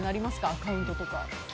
アカウントとか。